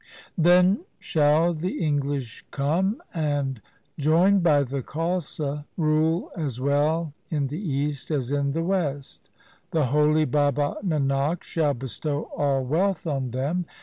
Then shall the English come, and joined by the Khalsa rule as well in the East as in the West. The holy Baba Nanak shall bestow all wealth on them.